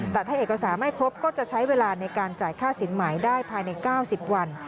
แต่ถ้าเอกสารไม่ครบก็จะใช้เวลาในการจ่ายค่าสินหมายได้ภายใน๙๐วัน